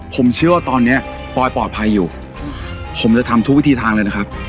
ผมเชื่อว่าตอนเนี้ยปอยปลอดภัยอยู่ผมจะทำทุกวิธีทางเลยนะครับ